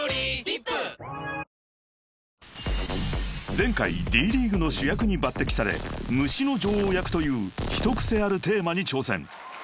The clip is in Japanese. ［前回Ｄ．ＬＥＡＧＵＥの主役に抜てきされ虫の女王役という一癖あるテーマに挑戦］